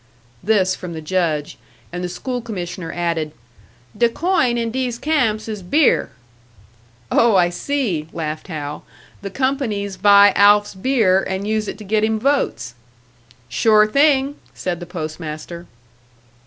This from the Judge; and the School commissioner added, "De coin in dese camps is beer." "Oh, I see!" laughed Hal. "The companies buy Alf's beer, and use it to get him votes!" "Sure thing!" said the Post master.